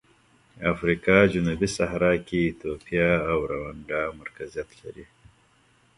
افریقا جنوبي صحرا کې ایتوپیا او روندا مرکزیت لري.